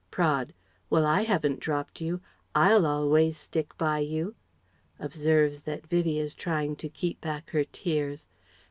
Praed: "Well, I haven't dropped you. I'll always stick by you" (observes that Vivie is trying to keep back her tears).